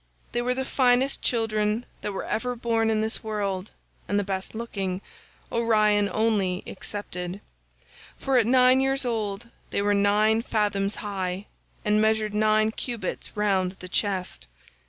They were the finest children that were ever born in this world, and the best looking, Orion only excepted; for at nine years old they were nine fathoms high, and measured nine cubits round the chest.